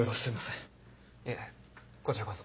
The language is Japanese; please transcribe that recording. いえこちらこそ。